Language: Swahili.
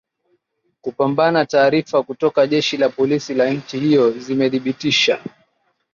kupambana taarifa kutoka jeshi la polisi la nchi hiyo zimethibitisha